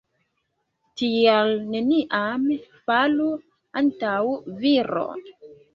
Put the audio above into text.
Tial neniam falu antaŭ viro.